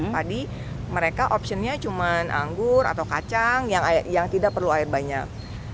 jadi mereka opsiunnya cuma anggur atau kacang yang tidak perlu air banyak